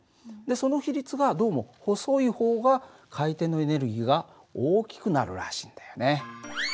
その比率がどうも細い方が回転のエネルギーが大きくなるらしいんだよね。